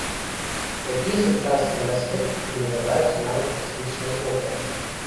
Які сучасныя даследчыкі называюць нават касмічнай операй.